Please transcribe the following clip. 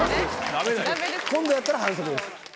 今度やったら反則です。